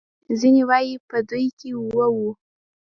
ځینې وايي په دوی کې اوه وو.